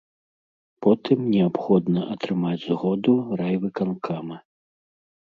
Потым неабходна атрымаць згоду райвыканкама.